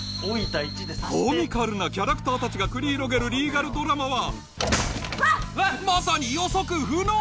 コミカルなキャラクター達が繰り広げるリーガルドラマはまさに予測不能！